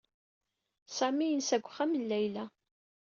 Sami yensa deg uxxam n Layla.